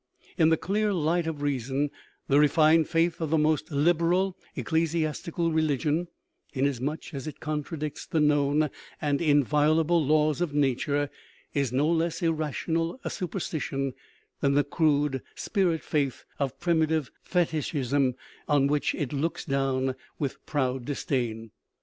In the clear light of reason the refined faith of the most liberal ecclesiasti cal religion inasmuch as it contradicts the known and inviolable laws of nature is no less irrational a superstition than the crude spirit faith of primitive fetichism on which it looks down with proud disdain.